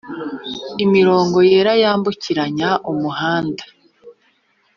imirongo yera yambukiranya umuhanda.